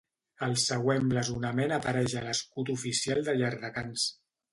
El següent blasonament apareix a l'escut oficial de Llardecans.